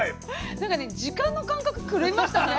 なんかね時間の感覚狂いましたね。